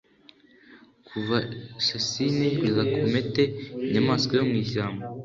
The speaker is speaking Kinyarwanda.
Kuva Cécine kugera Comète inyamaswa yo mwishyamba